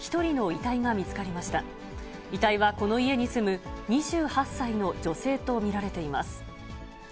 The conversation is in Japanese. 遺体はこの家に住む２８歳の女性と見られています。